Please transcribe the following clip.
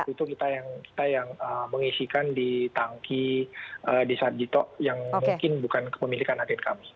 itu kita yang mengisikan di tangki di sarjito yang mungkin bukan kepemilikan adit kami